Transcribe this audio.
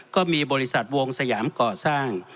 ก็มีบริษัทวงสยามก่อสร้าง